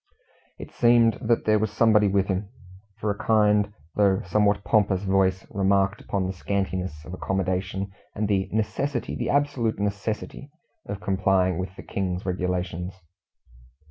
It seemed that there was somebody with him, for a kind, though somewhat pompous, voice remarked upon the scantiness of accommodation, and the "necessity the absolute necessity" of complying with the King's Regulations.